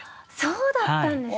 そうだったんですね。